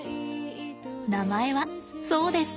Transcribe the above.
名前はそうです。